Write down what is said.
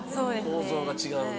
構造が違うな。